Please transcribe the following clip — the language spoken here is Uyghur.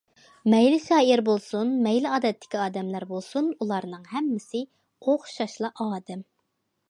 مەيلى شائىر بولسۇن، مەيلى ئادەتتىكى ئادەملەر بولسۇن، ئۇلارنىڭ ھەممىسى ئوخشاشلا ئادەم.